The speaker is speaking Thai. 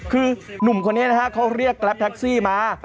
คือหนุ่มคนนี้นะฮะเขาเรียกแกรปแท็กซี่มา